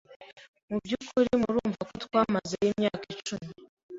mu by’ukuri murumva ko twamazeyo imyaka icumi.